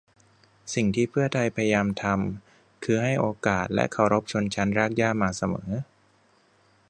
สิ่งที่เพื่อไทยพยายามทำคือให้โอกาสและเคารพชนชั้นรากหญ้ามาเสมอ